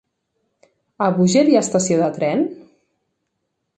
A Búger hi ha estació de tren?